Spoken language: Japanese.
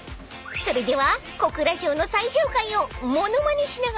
［それでは小倉城の最上階を物まねしながら］